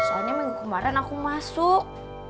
soalnya minggu kemarin aku masuk